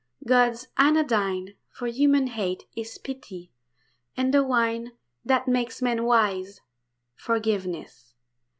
.. God's anodyne For human hate is pity; and the wine That makes men wise, forgiveness.